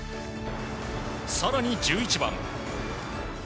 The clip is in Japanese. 更に１１番。